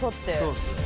そうっすね。